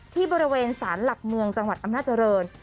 ที่บริเวณสารหลักเมืองจังหวัดอำนาจริง